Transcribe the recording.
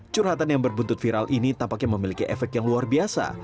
curhatan yang berbuntut viral ini tampaknya memiliki efek yang luar biasa